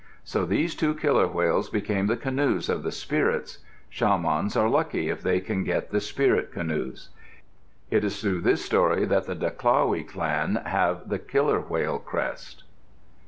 So these two killer whales became the canoes of the spirits. Shamans are lucky if they can get the spirit canoes. It is through this story that the Daqlawe clan have the killer whale crest.